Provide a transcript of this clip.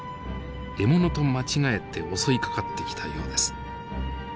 獲物と間違えて襲いかかってきたようです。